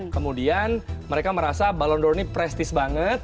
kemudian mereka merasa ballon d or ini prestis banget